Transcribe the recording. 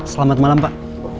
selamat malam pak